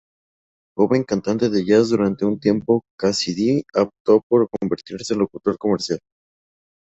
Joven cantante de Jazz durante un tiempo, Cassidy optó por convertirse en locutor comercial.